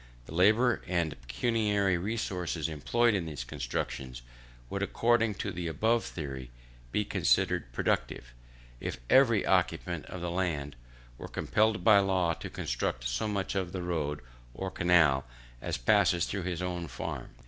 The labour and pecuniary resources employed in their construction would, according to the above theory, be considered productive, if every occupier of land were compelled by law to construct so much of the road, or canal, as passes through his own farm.